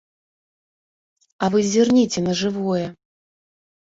А вы зірніце на жывое.